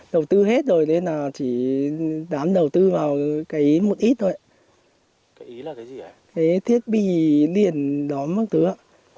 cái thiết bị điện đó mất thứ ạ